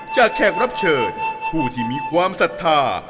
แขกรับเชิญผู้ที่มีความศรัทธา